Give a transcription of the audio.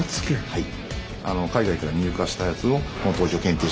はい。